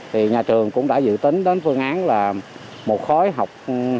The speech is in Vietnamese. thì nhà trường cũng đã dự tính đến phương án là một khối học hai mươi bốn sáu